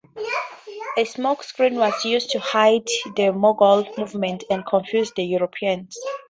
A smokescreen was used to hide the Mongol movements and confuse the Europeans.